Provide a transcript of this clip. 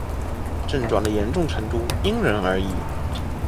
症状的严重程度因人而异。